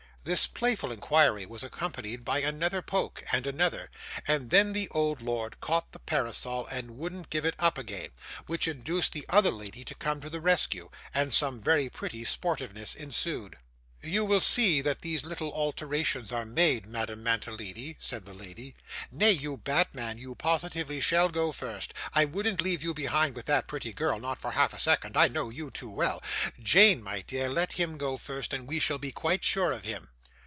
This playful inquiry was accompanied with another poke, and another, and then the old lord caught the parasol, and wouldn't give it up again, which induced the other lady to come to the rescue, and some very pretty sportiveness ensued. 'You will see that those little alterations are made, Madame Mantalini,' said the lady. 'Nay, you bad man, you positively shall go first; I wouldn't leave you behind with that pretty girl, not for half a second. I know you too well. Jane, my dear, let him go first, and we shall be quite sure of him.